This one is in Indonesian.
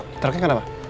mas truknya kenapa